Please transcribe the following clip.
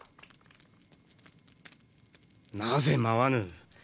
なぜ舞わぬ？